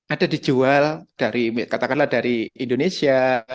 ada dijual katakanlah dari indonesia